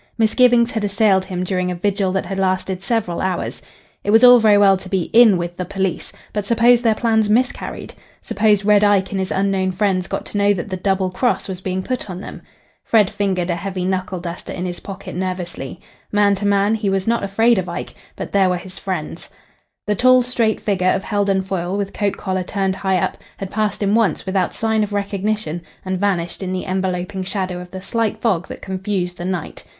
Misgivings had assailed him during a vigil that had lasted several hours. It was all very well to be "in with" the police; but suppose their plans miscarried? Suppose Red Ike and his unknown friends got to know that the "double cross" was being put on them? Fred fingered a heavy knuckle duster in his pocket nervously. Man to man, he was not afraid of Ike, but there were his friends. The tall straight figure of Heldon Foyle, with coat collar turned high up, had passed him once without sign of recognition and vanished in the enveloping shadow of the slight fog that confused the night.